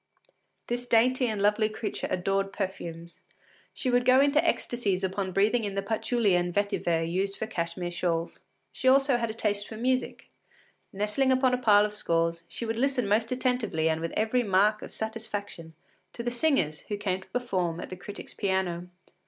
This dainty and lovely creature adored perfumes. She would go into ecstasies on breathing in the patchouli and vetiver used for Cashmere shawls. She had also a taste for music. Nestling upon a pile of scores, she would listen most attentively and with every mark of satisfaction to the singers who came to perform at the critic’s piano.